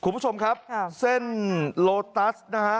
คุณผู้ชมครับเส้นโลตัสนะฮะ